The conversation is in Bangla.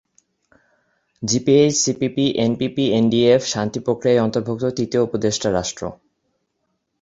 জিপিএইচ-সিপিপি-এনপিএ-এনডিএফ শান্তি প্রক্রিয়ার অন্তর্ভুক্ত তৃতীয় উপদেষ্টা রাষ্ট্র।